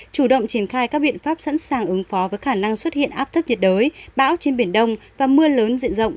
chủ động triển khai các biện pháp sẵn sàng ứng phó với khả năng xuất hiện áp thấp nhiệt đới bão trên biển đông và mưa lớn diện rộng